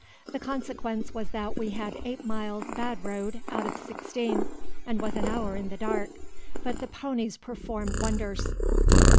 the consequence was that we had eight miles bad road out of 16, and was an hour in the dark. But the poneys performed wonders."